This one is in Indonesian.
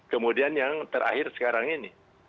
kemudian yang terakhir sekarang ini